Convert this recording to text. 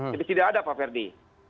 tidak ada pak ferdi